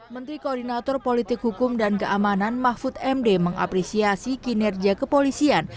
menteri koordinator politik hukum dan keamanan mahfud md mengapresiasi kinerja kepolisian